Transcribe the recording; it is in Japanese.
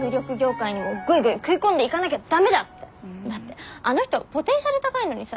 だってあの人ポテンシャル高いのにさ